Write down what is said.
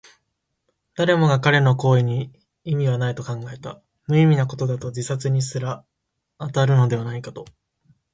誰もが彼の行為に意味はないと考えた。無意味なことだと、自殺にすら当たるのではないかと。